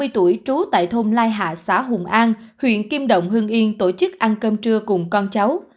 ba mươi tuổi trú tại thôn lai hạ xã hùng an huyện kim động hương yên tổ chức ăn cơm trưa cùng con cháu